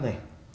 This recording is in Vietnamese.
vợ đâu có